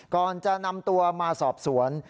ก่อนจะนำตัวมาสอบสวน